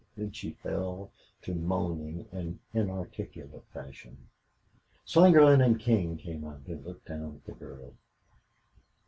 Oh! Oh! Oh!" Then she fell to moaning in inarticulate fashion. Slingerland and King came out and looked down at the girl.